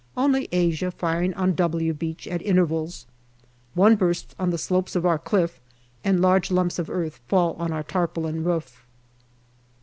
Only Asia firing on " W" Beach at intervals. One bursts on the slopes of our cliff, and large lumps of earth fall on our tarpaulin roof.